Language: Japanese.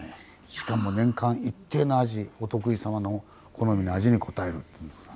しかも年間一定の味お得意様の好みの味に応えるっていうんですからね。